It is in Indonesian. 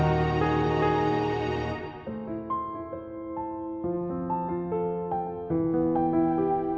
menikmati satu hari madam semakin teruk